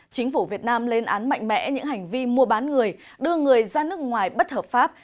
chính phủ việt nam lên án mạnh mẽ những hành vi mua bán người đưa người ra nước ngoài bất hợp pháp